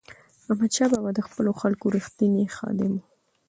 احمدشاه بابا د خپلو خلکو رښتینی خادم و.